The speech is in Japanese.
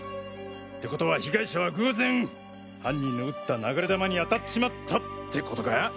ってことは被害者は偶然犯人の撃った流れ弾にあたっちまったってことか？